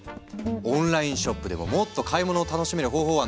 オンラインショップでももっと買い物を楽しめる方法はないの？